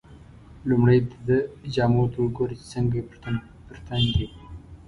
لومړی دده جامو ته وګوره چې څنګه یې پر تن دي.